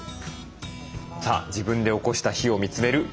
さあ自分でおこした火を見つめる今井さん。